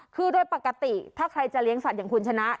คือโดยปกติถ้าใครจะเลี้ยงสัตว์อย่างคุณชนะ